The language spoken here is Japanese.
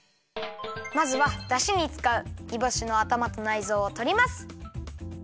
まずはだしにつかうにぼしのあたまとないぞうをとります。